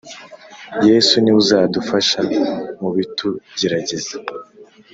Yesu ni w' uzadufasha mu bitugerageza.